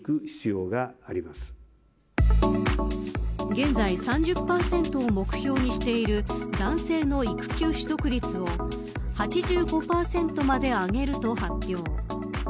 現在３０％を目標にしている男性の育休取得率を８５％まで上げると発表。